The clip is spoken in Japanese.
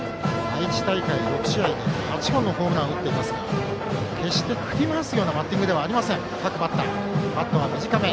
愛知大会６試合で８本のホームラン打っていますが決して振り回すようなバッティングではありません各バッターバットは短め。